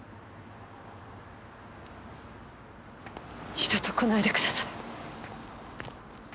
二度と来ないでください。